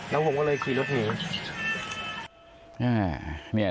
แล้วผมก็เลยขี่รถหนี